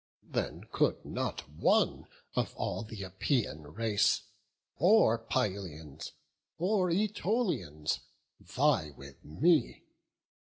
Then could not one of all th' Epeian race, Or Pylians, or Ætolians, vie with me.